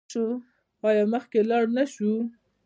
آیا مخکې لاړ نشو؟